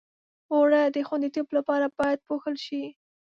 اوړه د خوندیتوب لپاره باید پوښل شي